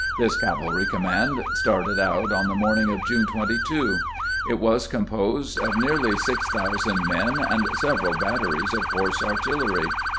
This cavalry command started out on the morning of June 22. It was composed of nearly 6000 men and several batteries of horse artillery.